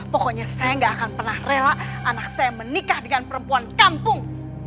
pokoknya saya gak akan pernah rela anak saya menikah dengan perempuan kampung